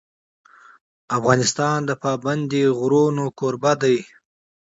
افغانستان د پابندی غرونه کوربه دی.